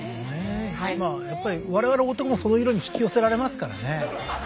まあやっぱり我々男もそういう色に引き寄せられますからね。